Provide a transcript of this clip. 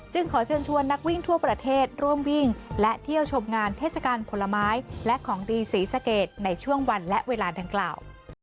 ขอเชิญชวนนักวิ่งทั่วประเทศร่วมวิ่งและเที่ยวชมงานเทศกาลผลไม้และของดีศรีสะเกดในช่วงวันและเวลาดังกล่าว